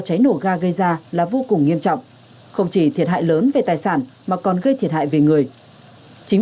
đó là vô cùng nghiêm trọng không chỉ thiệt hại lớn về tài sản mà còn gây thiệt hại về người chính